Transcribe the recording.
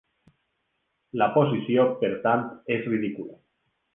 La posició, per tant, és ridícula.